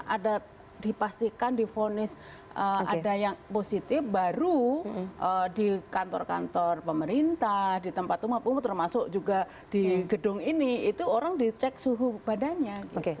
ada dipastikan difonis ada yang positif baru di kantor kantor pemerintah di tempat umum termasuk juga di gedung ini itu orang dicek suhu badannya